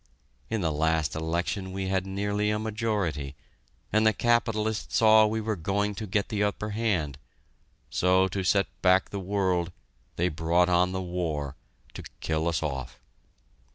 In the last election we had nearly a majority, and the capitalists saw we were going to get the upper hand, so to set back the world, they brought on the war to kill us off.